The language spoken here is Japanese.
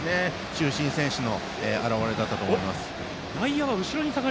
中心選手の表れだったと思います。